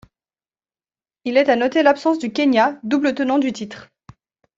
Il est à noter l'absence du Kenya, double tenant du titre.